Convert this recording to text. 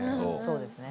そうですね。